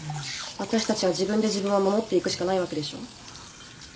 私たちは自分で自分を守っていくしかないわけでしょ？